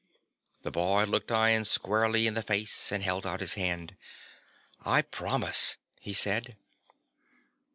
The boy looked Ian squarely in the face and held out his hand. "I promise," he said.